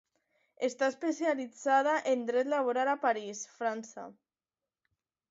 Està especialitzada en Dret Laboral a París, França.